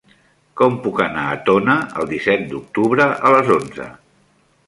Com puc anar a Tona el disset d'octubre a les onze?